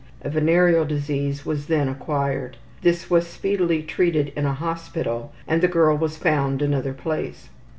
A venereal disease was then acquired. This was speedily treated in a hospital and the girl was found another place.